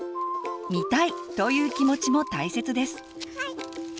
「見たい！」という気持ちも大切です。